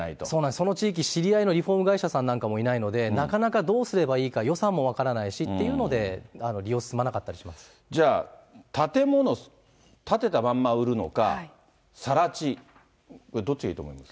その地域、知り合いのリフォーム会社さんなんかもいないので、なかなか、どうすればいいか、予算も分からないしっていうので、じゃあ、建物建てたまんま売るのか、更地、どっちがいいと思います？